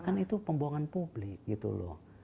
kan itu pembohongan publik gitu loh